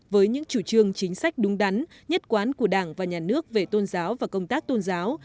với những chủ trương chính sách đúng đắn nhất quán của đảng và nhà nước về tôn giáo và công tác tôn giáo